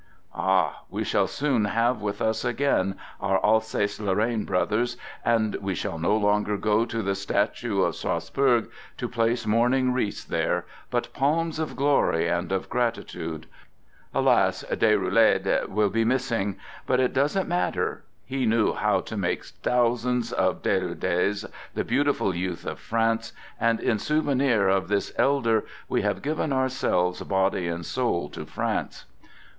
Ah! We shall soon have with us again our Alsace Lorraine brothers, and we shall no longer go to the statue of Strasbourg to place mourning wreaths there, but palms of glory and of gratitude. Alas! Deroulede will be missing. But it doesn't THE GOOD SOLDIER" 139 matter. He knew how to make thousands of De rouledes, the beautiful youth of France, and in sou venir of " this elder," we have given ourselves body and soul to France.